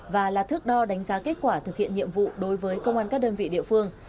và là thước đo đánh giá kết quả thực hiện nhiệm vụ đối với công an các đơn vị địa phương